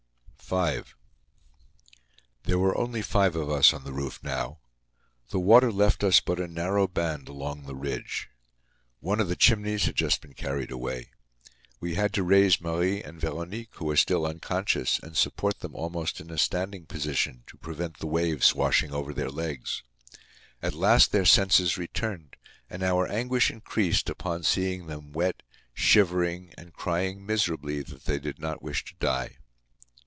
V. There were only five of us on the roof now. The water left us but a narrow band along the ridge. One of the chimneys had just been carried away. We had to raise Marie and Veronique, who were still unconscious, and support them almost in a standing position to prevent the waves washing over their legs. At last, their senses returned, and our anguish increased upon seeing them wet, shivering and crying miserably that they did not wish to die.